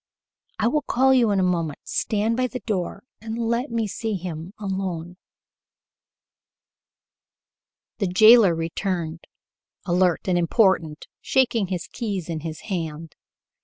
I will call you in a moment. Stand by the door, and let me see him alone." The jailer returned, alert and important, shaking the keys in his hand.